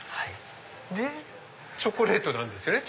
でチョコレートなんですよね。